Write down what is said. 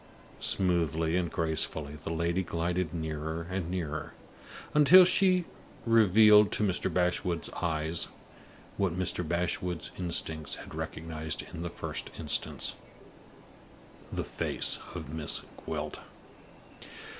Smoothly and gracefully the lady glided nearer and nearer, until she revealed to Mr. Bashwood's eyes, what Mr. Bashwood's instincts had recognized in the first instance the face of Miss Gwilt.